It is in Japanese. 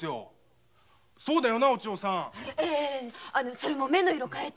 それも目の色を変えて。